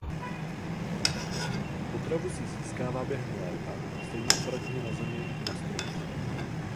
Potravu si získává během léta stejně obratně na zemi i na stromech.